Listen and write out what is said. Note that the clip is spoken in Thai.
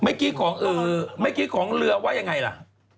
เมื่อกี้ของเหรอว่ายังไงล่ะ